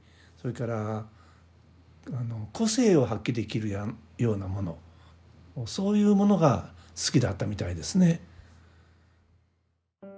それから個性を発揮できるようなものそういうものが好きだったみたいですね。